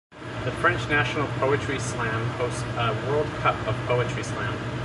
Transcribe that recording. The French National Poetry Slam hosts a World Cup of Poetry Slam.